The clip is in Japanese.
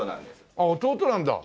あっ弟なんだ？